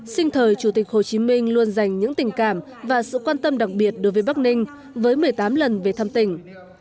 sinh thời chủ tịch hồ chí minh luôn dành những tình cảm và sự quan tâm đặc biệt đối với bắc ninh với một mươi tám lần về thăm tỉnh